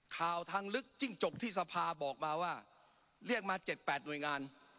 ข่าวทางลึกจิ้งจกที่สภาบอกมาว่าเรียกมาเจ็ดแปดหน่วยงาน